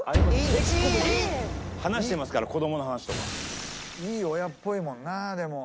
結構僕話してますから子供の話とか。いい親っぽいもんなでも。